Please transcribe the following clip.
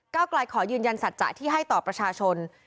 กลายขอยืนยันสัจจะที่ให้ต่อประชาชน